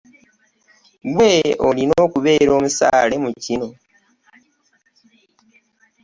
Ggwe olina okubeera omusaale mu kino.